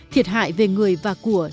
thiệt hại về người và của